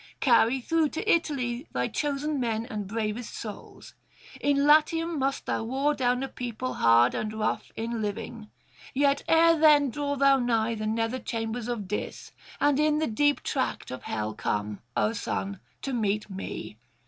Carry through to Italy thy chosen men and bravest souls; in Latium must thou war down a people hard and rough in living. Yet ere then draw thou nigh the nether chambers of Dis, and in the deep tract of hell come, O son, to meet me.